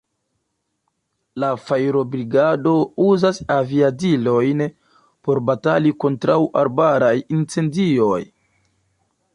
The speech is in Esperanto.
La fajrobrigado uzas aviadilojn por batali kontraŭ arbaraj incendioj.